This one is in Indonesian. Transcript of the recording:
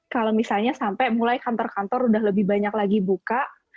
kalau misalnya sampai mulai kantor kantor udah lebih banyak lagi buka